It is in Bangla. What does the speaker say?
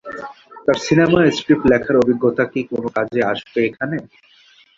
তার সিনেমার স্ক্রিপ্ট লেখার অভিজ্ঞতা কি কোনো কাজে আসবে এখানে?